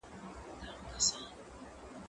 زه به سبا لوبه کوم؟!